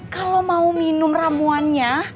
kalau mau minum ramuannya